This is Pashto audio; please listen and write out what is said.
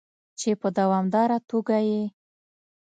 چې په دوامداره توګه یې